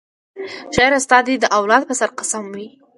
شاعره ستا دي د اولاد په سر قسم وي وایه